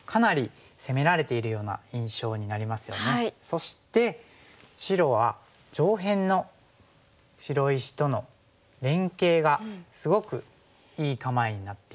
そして白は上辺の白石との連携がすごくいい構えになってきて。